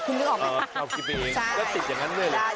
คิดไปเองก็ติดอย่างนั้นด้วยเลย